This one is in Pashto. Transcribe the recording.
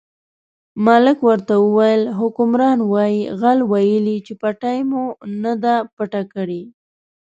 ملک ورته وویل حکمران وایي غل ویلي چې پېټۍ مو نه ده پټه کړې.